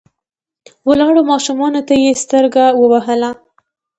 ولاړو ماشومانو ته يې سترګه ووهله.